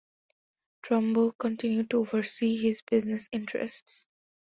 Trumbull continued to oversee his business interests.